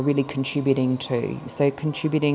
vì vậy bạn sẽ phát triển